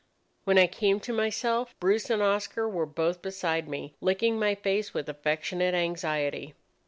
"When I came to myself, Bruce and Oscar were both beside me, licking my face with affectionate anxiety.